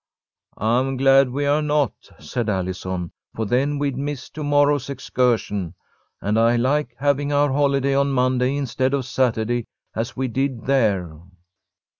"I'm glad we're not," said Allison. "For then we'd miss to morrow's excursion. And I like having our holiday on Monday instead of Saturday, as we did there."